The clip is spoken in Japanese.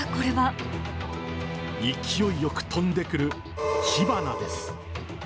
勢いよく飛んでくる火花です。